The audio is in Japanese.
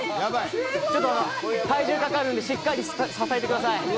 ちょっと体重かかるんでしっかり支えてください。